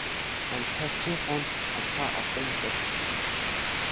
Анцәа сиҳәон ақәа аҟәымҵырц.